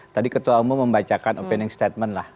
tadi ketua umum membacakan opining statement lah